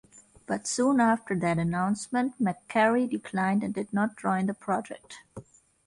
But soon after that announcement, McCary declined and did not join the project.